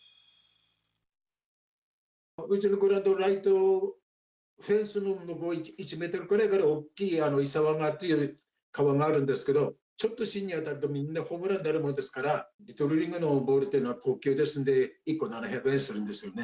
うちのグラウンドのライトフェンスの奥に大きい胆沢川という川があるんですけど、ちょっと芯に当たるとみんなホームランですから、リトルリーグのボールっていうのは、硬球ですので、１個７００円するんですね。